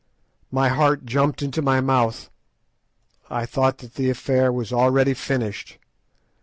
My heart jumped into my mouth; I thought that the affair was already finished.